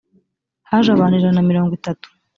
haje abantu ijana na mirongo itatu